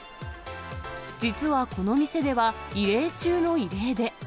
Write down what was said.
実はこの店では、異例中の異例で。